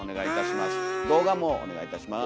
動画もお願いいたします。